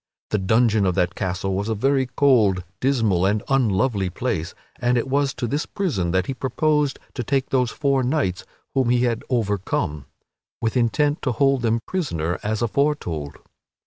The dungeon of that castle was a very cold, dismal, and unlovely place, and it was to this prison that he proposed to take those four knights whom he had overcome, with intent to hold them prisoner as aforetold.